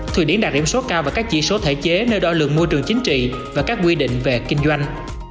thụy điển đạt điểm số cao và các chỉ số thể chế nơi đo lượng môi trường chính trị và các quy định về kinh doanh